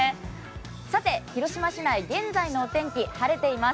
さて広島市内現在のお天気晴れています。